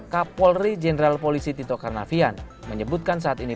kapolri jenderal polisi tito karnavian menyebutkan saat ini